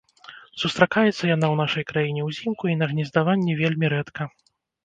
Сустракаецца яна ў нашай краіне ўзімку і на гнездаванні вельмі рэдка.